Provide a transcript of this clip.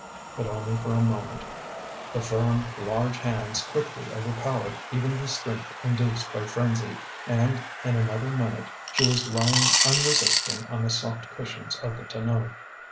But only for a moment. The firm large hands quickly overpowered even the strength induced by frenzy, and in another minute she was lying unresisting on the soft cushions of the tonneau.